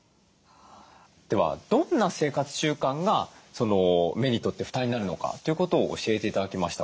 ではどんな生活習慣が目にとって負担になるのかということを教えて頂きました。